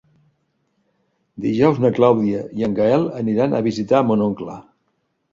Dijous na Clàudia i en Gaël aniran a visitar mon oncle.